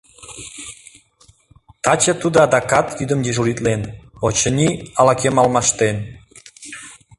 Таче тудо адакат йӱдым дежуритлен, очыни, ала-кӧм алмаштен.